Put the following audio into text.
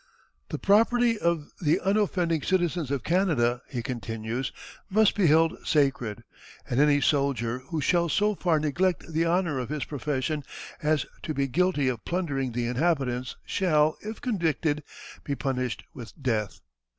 The property of the unoffending citizens of Canada," he continues, "must be held sacred; and any soldier who shall so far neglect the honor of his profession as to be guilty of plundering the inhabitants, shall, if convicted, be punished with death.